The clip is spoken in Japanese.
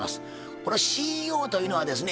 このＣＥＯというのはですね